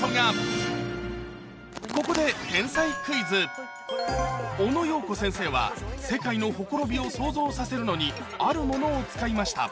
ここでオノ・ヨーコ先生は世界のほころびを想像させるのにあるものを使いました